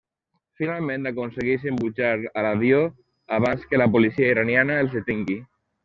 Finalment aconsegueixen pujar a l'avió abans que la policia iraniana els detingui.